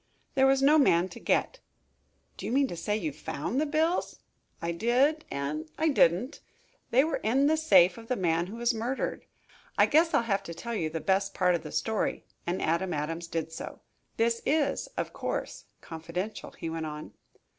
"There was no man to get." "Do you mean to say you found the bills?" "I did and I didn't. They were in the safe of a man who was murdered. I guess I'll have to tell you the best part of the story," and Adam Adams did so. "This is, of course, confidential," he went on.